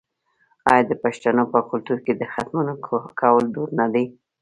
آیا د پښتنو په کلتور کې د ختمونو کول دود نه دی؟